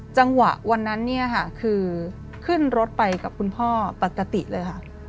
จังหวะวันนั้นเนี่ยค่ะคือขึ้นรถไปกับคุณพ่อปกติเลยค่ะ